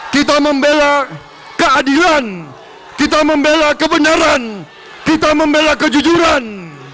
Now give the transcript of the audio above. kita membela keadilan kita membela kebenaran kita membela kejujuran